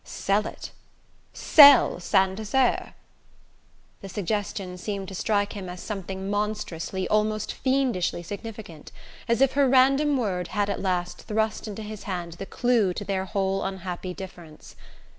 "Sell it? Sell Saint Desert?" The suggestion seemed to strike him as something monstrously, almost fiendishly significant: as if her random word had at last thrust into his hand the clue to their whole unhappy difference.